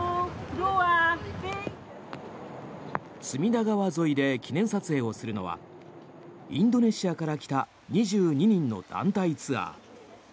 隅田川沿いで記念撮影をするのはインドネシアから来た２２人の団体ツアー。